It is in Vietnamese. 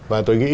và tôi nghĩ